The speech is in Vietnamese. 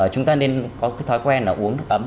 chúng ta nên có cái thói quen là uống nước ấm